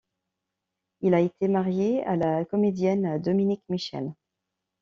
Il a été marié à la comédienne Dominique Michel.